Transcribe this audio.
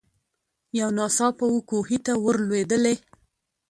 یو ناڅاپه وو کوهي ته ور لوېدلې